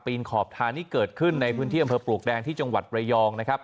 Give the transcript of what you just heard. ขอบทางนี้เกิดขึ้นในพื้นที่อำเภอปลวกแดงที่จังหวัดระยองนะครับ